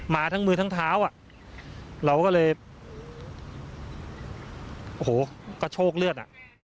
มาทั้งมือทั้งเท้าอ่ะเราก็เลยโอ้โหกระโชคเลือดอ่ะ